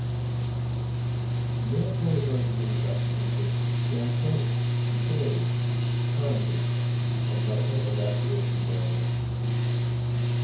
Military versions in production include transport, utility, reconnaissance and medical evacuation variants.